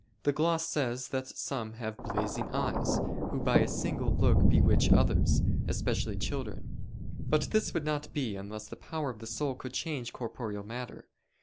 the gloss says that "some have blazing eyes, who by a single look bewitch others, especially children." But this would not be unless the power of the soul could change corporeal matter.